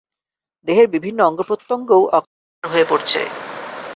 দেহের বিভিন্ন অঙ্গপ্রত্যঙ্গও অকার্যকর হয়ে পড়ছে।